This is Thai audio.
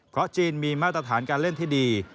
เพราะจีนมีมาตรฐานการเล่นที่ดี